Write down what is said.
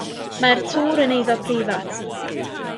Mae'r tŵr yn eiddo preifat.